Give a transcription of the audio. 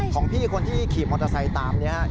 ของพี่คนที่ขี่มอเตอร์ไซค์ตามนี้ครับ